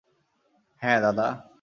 হ্যাঁ, দাদা?